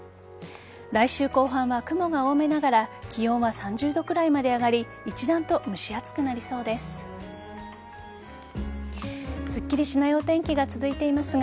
来週後半は雲が多めながら気温は３０度くらいまで上がり一段と蒸し暑くなりそうです。